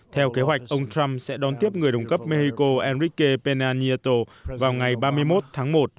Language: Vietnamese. theo kế hoạch ông trump sẽ đón tiếp người đồng cấp mexico enrique pena nieto vào ngày ba mươi một tháng một